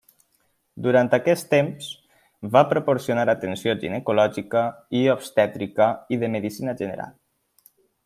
Durant aquest temps va proporcionar atenció ginecològica i obstètrica i de medicina general.